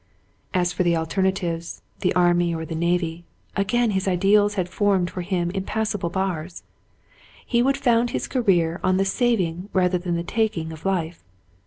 As for the alternatives, the army or the navy, again his ideals had formed for him impassable bars. He would found his career on the sa\'ing rather than the taking of life.